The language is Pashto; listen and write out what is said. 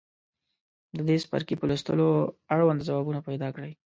د دې څپرکي په لوستلو اړونده ځوابونه پیداکړئ.